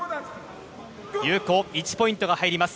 有効１ポイントが入ります。